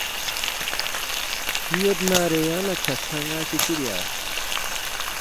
یودنارے یانگلا ژھژھا ناسی چی بیا